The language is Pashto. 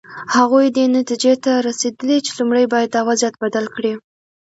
هغوی دې نتیجې ته رسېدلي چې لومړی باید دا وضعیت بدل کړي.